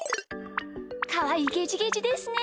かわいいゲジゲジですね。